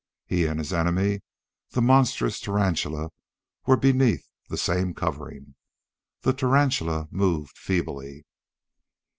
He and his enemy, the monstrous tarantula, were beneath the same covering. The tarantula moved feebly.